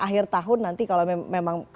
akhir tahun nanti kalau memang